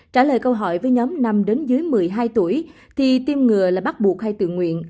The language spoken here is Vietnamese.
trả lời câu hỏi với nhóm năm đến dưới một mươi hai tuổi thì tiêm ngừa là bắt buộc hay tự nguyện